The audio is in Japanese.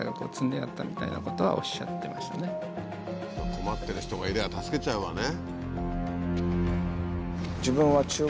困ってる人がいりゃ助けちゃうわね。